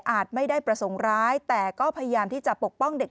ไม่ได้ประสงค์ร้ายแต่ก็พยายามที่จะปกป้องเด็ก